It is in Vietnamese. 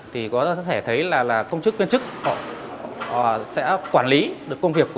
thì có thể thấy là công chức viên chức họ sẽ quản lý được công việc của